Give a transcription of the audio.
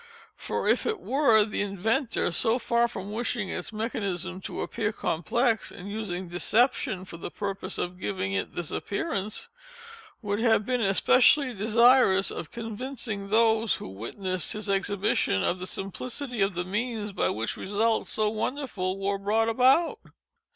For if it were, the inventor, so far from wishing its mechanism to appear complex, and using deception for the purpose of giving it this appearance, would have been especially desirous of convincing those who witnessed his exhibition, of the _simplicity _of the means by which results so wonderful were brought about.